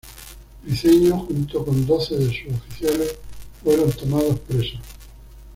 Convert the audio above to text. Briceño junto con doce de sus oficiales fueron tomados presos.